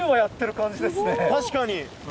確かに。